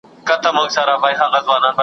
کي بديل نه لري .